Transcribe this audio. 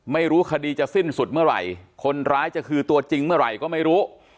ไม่รู้คดีจะสิ้นสุดเมื่อไหร่คนร้ายจะคือตัวจริงเมื่อไหร่ก็ไม่รู้